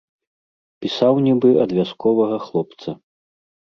Пісаў нібы ад вясковага хлопца.